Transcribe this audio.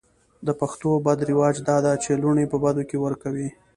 د پښتو بد رواج دا ده چې لوڼې په بدو کې ور کوي.